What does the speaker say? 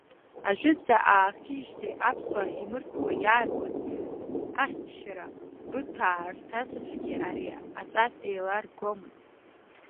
Ажәытәӡа аахижьҭеи аԥсуаа имырӡкәа иааргоз ахьӡшьара, Быҭәаа рҭацацәагьы ари аҵас еиларгомызт.